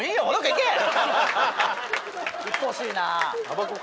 うっとうしいなぁ。